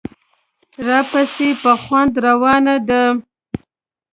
راپسې په خوند روانه ده.